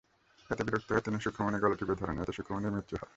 এতে বিরক্ত হয়ে তিনি সুখমণির গলা টিপে ধরেন, এতে সুখমণির মৃত্যু হয়।